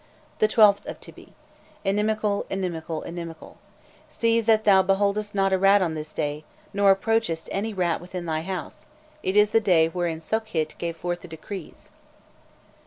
The 12th of Tybi: inimical, inimical, inimical. See that thou beholdest not a rat on this day, nor approachest any rat within thy house: it is the day wherein Sokhît gave forth the decrees."